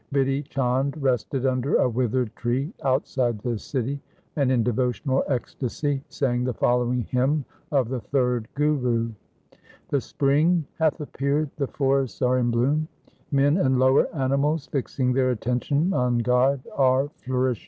Bidhi Chand rested under a withered tree outside the city, and in devotional ecstasy sang the following hymn of the third Guru :— The spring hath appeared ; the forests are in bloom ; Men and lower animals fixing their attention on God are flourishing.